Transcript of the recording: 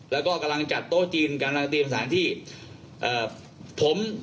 แล้วก็กำลังจัดโต๊ะจีนกำลังเตรียมสถานที่เอ่อผม